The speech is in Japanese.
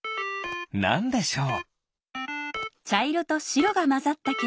なんでしょう？